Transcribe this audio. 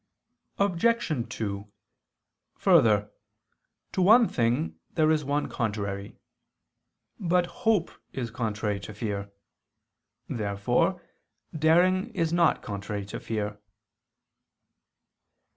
Obj. 2: Further, to one thing there is one contrary. But hope is contrary to fear. Therefore daring is not contrary to fear.